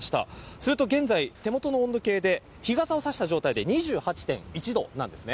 すると現在、手元の温度計で日傘を差した状態で２８．１度なんです。